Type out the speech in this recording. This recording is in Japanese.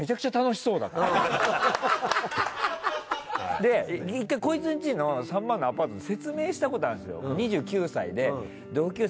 で１回コイツんちの３万のアパートで説明したことあるんすよ。